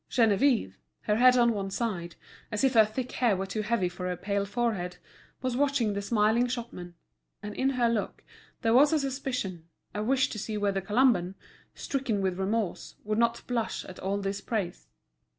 Geneviève, her head on one side, as if her thick hair were too heavy for her pale forehead, was watching the smiling shopman; and in her look there was a suspicion, a wish to see whether Colomban, stricken with remorse, would not blush at all this praise.